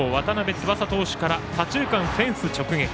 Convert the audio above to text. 翼投手から左中間フェンス直撃。